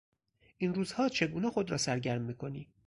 این روزها چگونه خود را سرگرم میکنی؟